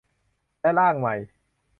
และร่างใหม่